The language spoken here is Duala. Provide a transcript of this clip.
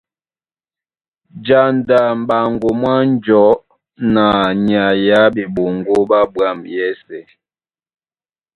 Janda m̀ɓaŋgo mwá njɔu na nyay á ɓeɓoŋgó ɓá ɓwǎm̀ yɛ́sɛ̄.